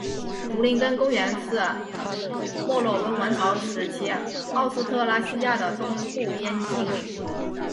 图林根公国是墨洛温王朝时期奥斯特拉西亚的东部边境领。